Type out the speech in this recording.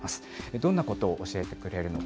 どんなことを教えてくれるのか。